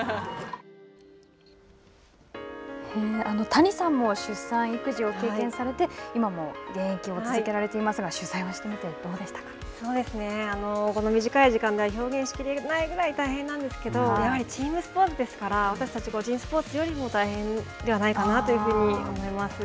谷さんも出産育児を経験されて今も現役を続けられていますが取材をしてみてこの短い時間で表現しきれないぐらい大変なんですけどやはりチームスポーツですから私たち個人スポーツよりも大変ではないかなというふうに思います。